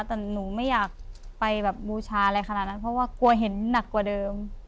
แต่หนูไม่อยากไปแบบบูชาอะไรขนาดนั้นเพราะว่ากลัวเห็นหนักกว่าเดิม